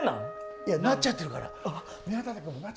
いや、なっちゃってるから。